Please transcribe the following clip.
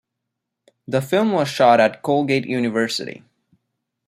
The film was shot at Colgate University.